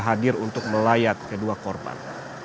hadir untuk melayat kedua korban